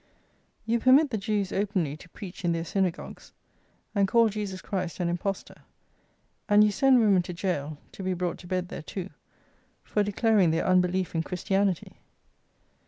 "You permit the Jews openly to preach in their synagogues, and call Jesus Christ an impostor; and you send women to jail (to be brought to bed there, too), for declaring their unbelief in Christianity."